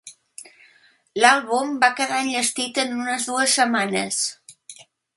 L'àlbum va quedar enllestit en unes dues setmanes.